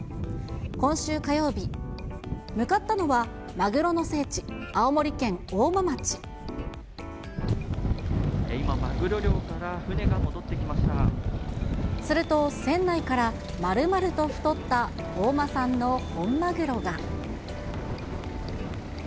今週火曜日、向かったのはマグロの聖地、今、マグロ漁から船が戻ってすると、船内から丸々と太った大間産の本マグロが。